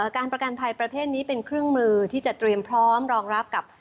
การประกันภัยประเทศนี้เป็นเครื่องมือที่จะเตรียมพร้อมรองรับกับ